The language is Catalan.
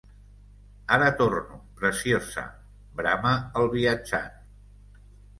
Ara torno, preciosa, brama el viatjant.